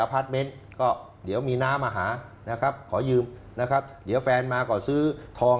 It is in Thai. พาร์ทเมนต์ก็เดี๋ยวมีน้ามาหานะครับขอยืมนะครับเดี๋ยวแฟนมาก็ซื้อทอง